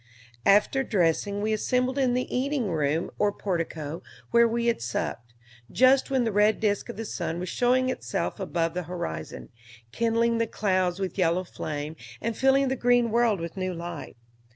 After dressing, we assembled in the eating room or portico where we had supped, just when the red disk of the sun was showing itself above the horizon, kindling the clouds with yellow flame, and filling the green world with new light.